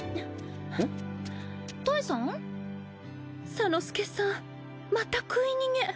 左之助さんまた食い逃げ。